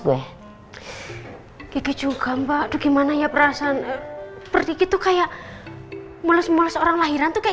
gue juga mbak gimana ya perasaan berdikit tuh kayak mules mules orang lahiran tuh kayak